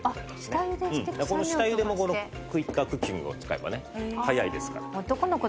この下茹でもクイッカークッキングを使えばね早いですから。